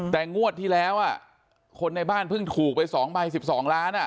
แต่งวดที่แล้วคนในบ้านเพิ่งถูกไป๒ใบ๑๒ล้าน